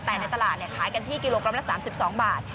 แต่ในตลาดขายกันที่กิโลกรัมละ๓๒บาท